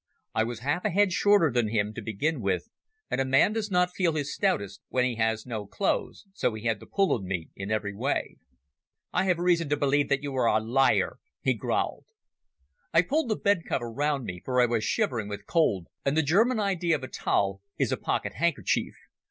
I was half a head shorter than him to begin with, and a man does not feel his stoutest when he has no clothes, so he had the pull on me every way. "I have reason to believe that you are a liar," he growled. I pulled the bed cover round me, for I was shivering with cold, and the German idea of a towel is a pocket handkerchief.